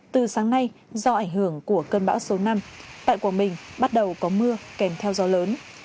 từ sáng nay do ảnh hưởng của cơn bão số năm tại quảng bình bắt đầu có mưa kèm theo gió lớn